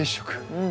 うん。